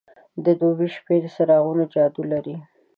د دوبی شپې د څراغونو جادو لري.